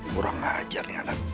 kurang ngajar nih anakku